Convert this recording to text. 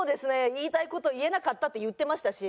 「言いたい事言えなかった」って言ってましたし。